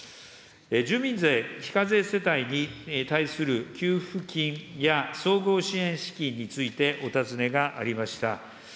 住民税非課税世帯に対する給付金や総合支援資金についてお尋ねがありました。